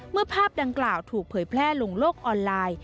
ภาพดังกล่าวถูกเผยแพร่ลงโลกออนไลน์